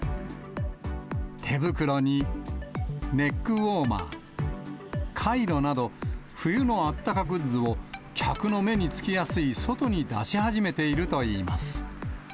手袋にネックウォーマー、カイロなど、冬のあったかグッズを、客の目につきやすい外に出し始めているといいます。